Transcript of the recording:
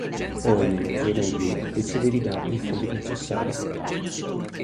Oene Djoenaidi decide di dargli i fondi necessari.